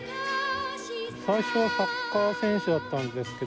最初はサッカー選手だったんですけど。